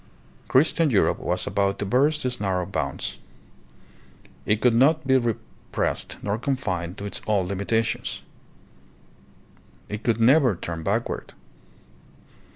Christian Europe was about to burst its narrow bounds. It could not be re pressed nor confined to its old limitations. It could never turn backward.